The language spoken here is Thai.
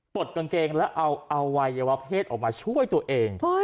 ดกางเกงแล้วเอาอวัยวะเพศออกมาช่วยตัวเอง